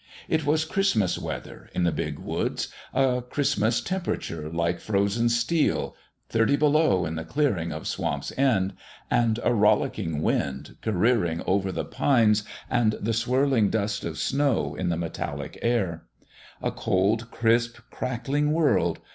It was Christmas weather in the big woods : a Christmas temperature like frozen steel thirty below in the clearing of Swamp's End and a rollicking wind, careering over the pines, and the swirling dust of snow in the metallic air. A cold, crisp crackling world